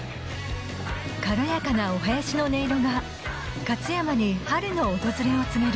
軽やかなお囃子の音色が勝山に春の訪れを告げる